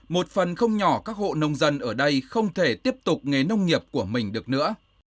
một phần không nhỏ các hộ nông dân ở đây không thể tiếp tục nghề nông nghiệp của mình được nữa